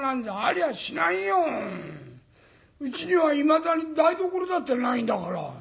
うちにはいまだに台所だってないんだから」。